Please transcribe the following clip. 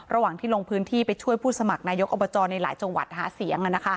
ระหว่างที่ลงพื้นที่ไปช่วยผู้สมัครนายกอบจในหลายจังหวัดหาเสียง